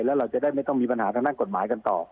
แล้วเราจะได้ไม่ต้องมีปัญหาทางด้านกฎหมายกันต่อ